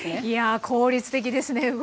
いや効率的ですね